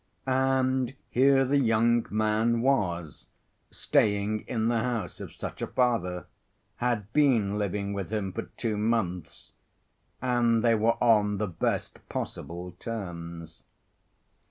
And here the young man was staying in the house of such a father, had been living with him for two months, and they were on the best possible terms.